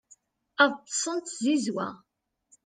ad ṭṭsen d tzizwa